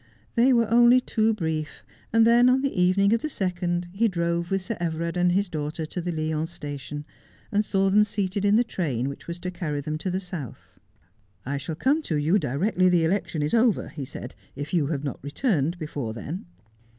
They were only too brief, and then on the evening of the second he drove with Sir Everard and his daughter to the Lyons station, and saw them seated in the train which was to carry them to the South. ' I shall come to you directly the election is over,' he said, ' if you have not returned before then.'